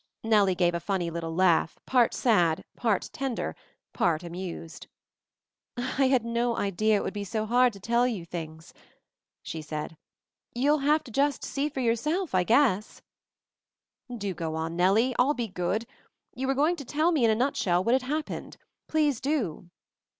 Nellie gave a funny little laugh, part sad, part tender, part amused. "I had no idea it would be so hard to tell you things," she said. "You'll have to just see for yourself, I guess." 46 MOVING THE MOUNTAIN "Do go on, Nellie. I'll be good. You were going to tell me, in a nutshell, what had happened — please do."